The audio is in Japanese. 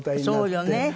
そうよね。